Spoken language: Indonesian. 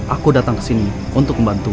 aku datang kesini untuk membantumu